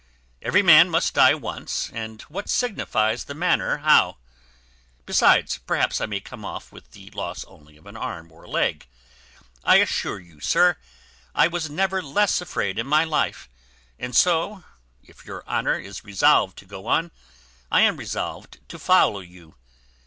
Every man must die once, and what signifies the manner how? besides, perhaps I may come off with the loss only of an arm or a leg. I assure you, sir, I was never less afraid in my life; and so, if your honour is resolved to go on, I am resolved to follow you.